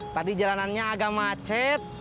tadi jalanannya agak macet